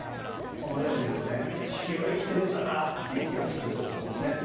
この絵を見ると地球は生きてるんだなっていう気がすると思うんですね。